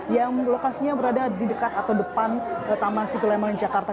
yang lokasinya berada di dekat atau depan taman situleman jakarta